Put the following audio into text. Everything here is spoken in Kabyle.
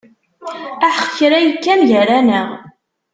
Aḥeq kra yekkan gar-aneɣ.